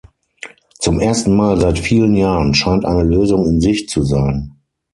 Zum ersten Mal seit vielen Jahren scheint eine Lösung in Sicht zu sein.